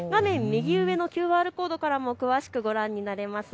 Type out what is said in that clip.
右上のＱＲコードからも詳しくご覧になれます。